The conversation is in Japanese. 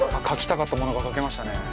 書きたかったものが書けましたね。